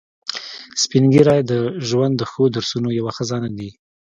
سپین ږیری د ژوند د ښو درسونو یو خزانه دي